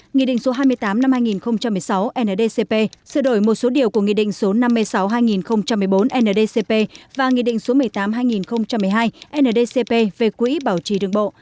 nghị định số hai mươi tám năm hai nghìn một mươi sáu ndcp sửa đổi một số điều của nghị định số năm mươi sáu hai nghìn một mươi bốn ndcp và nghị định số một mươi tám hai nghìn một mươi hai ndcp về quỹ bảo trì đường bộ